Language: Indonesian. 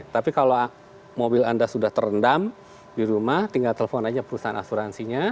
tapi kalau mobil anda sudah terendam di rumah tinggal telepon aja perusahaan asuransinya